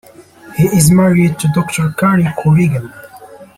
He is married to Doctor Cari Corrigan.